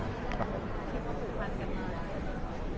อเรนนี่อาทิตย์ก็ผู้พันกันมาก